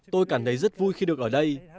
tôi cảm thấy rất vui khi được ở đây